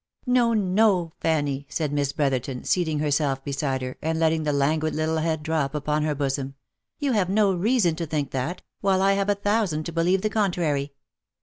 " No, no, Fanny." said Miss Brotherton, seating herself beside her, and letting the languid little head drop upon her bosom ;" you have no reason to think that, while I have a thousand to believe the con trary.